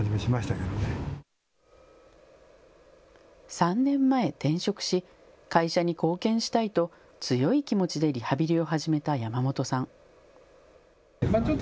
３年前、転職し、会社に貢献したいと強い気持ちでリハビリを始めた山本さん。